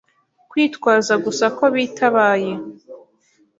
Kwitwaza gusa ko bitabaye.